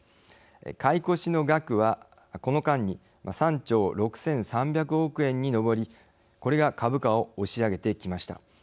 買い越しの額はこの間に３兆６，３００億円に上りこれが株価を押し上げてきました。